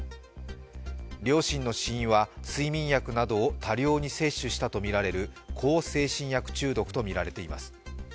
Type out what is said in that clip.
両親の死因は、睡眠薬などを多量に摂取したとみられる向精神薬中毒とみられています。